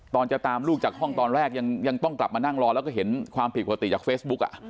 จะตามลูกจากห้องตอนแรกยังต้องกลับมานั่งรอแล้วก็เห็นความผิดปกติจากเฟซบุ๊ก